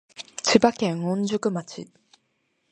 千葉県御宿町